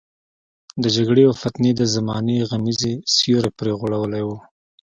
د جګړې او فتنې د زمانې غمیزې سیوری پرې غوړولی وو.